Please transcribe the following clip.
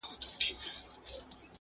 نور به له پالنګ څخه د جنګ خبري نه کوو٫